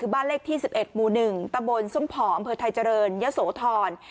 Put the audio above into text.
คือบ้านเลขที่สิบเอ็ดหมู่หนึ่งตะบลสุ่มผ่ออำเภอไทยเจริญยะโสธร